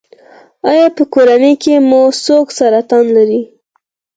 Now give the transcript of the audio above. ایا په کورنۍ کې مو څوک سرطان لري؟